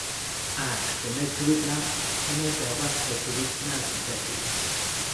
อ่า เห็นในทวีตละ ไม่แน่ใจว่าใครทวีต น่าสนใจดี